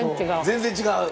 全然違う？